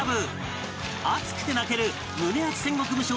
熱くて泣ける胸アツ戦国武将